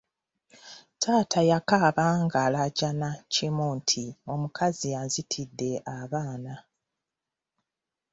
Taata yakaaba ng’alaajana kimu nti omukazi anzitidde abaana.